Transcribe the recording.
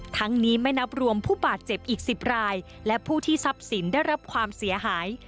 ทั้งนี้ไม่นับรวมผู้บาดเจ็บอีก๑๐รายและผู้ที่ทรัพย์สินได้รับความเสียหาย